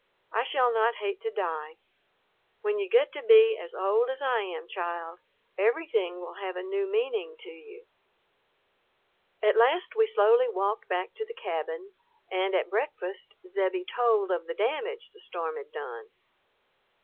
I shall not hate to die. When you get to be as old as I am, child, everything will have a new meaning to you." At last we slowly walked back to the cabin, and at breakfast Zebbie told of the damage the storm had done.